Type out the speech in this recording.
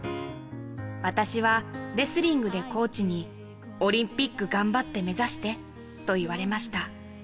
私はレスリングでコーチに、オリンピック頑張って目指してと言われました。